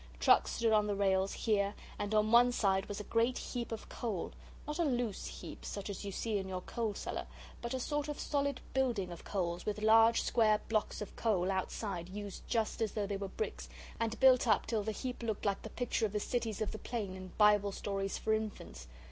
Trucks stood on the rails here, and on one side was a great heap of coal not a loose heap, such as you see in your coal cellar, but a sort of solid building of coals with large square blocks of coal outside used just as though they were bricks, and built up till the heap looked like the picture of the Cities of the Plain in 'Bible Stories for Infants.'